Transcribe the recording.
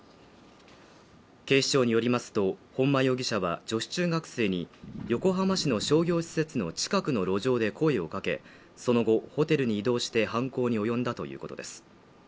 警視庁によりますと本間容疑者は女子中学生に横浜市の商業施設の近くの路上で声をかけその後ホテルに移動して犯行に及んだということです